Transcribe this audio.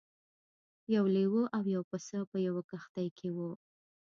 یو لیوه او یو پسه په یوه کښتۍ کې وو.